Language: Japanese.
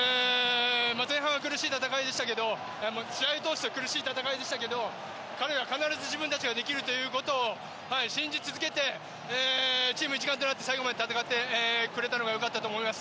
前半は苦しい戦いでしたけど試合を通して苦しい戦いでしたけど彼ら必ず自分たちができるということを信じ続けてチーム一丸となって最後まで戦ってくれたのがよかったと思います。